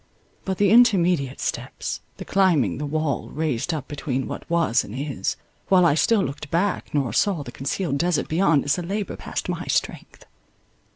But the intermediate steps, the climbing the wall, raised up between what was and is, while I still looked back nor saw the concealed desert beyond, is a labour past my strength.